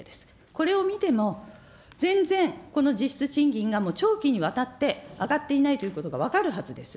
これを見ても全然この実質賃金が長期にわたって、上がっていないということが分かるはずです。